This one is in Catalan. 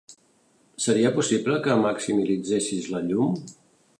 Seria possible que maximitzessis la llum?